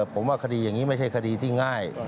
ผมว่าคดีอย่างนี้ไม่ใช่คดีที่ง่าย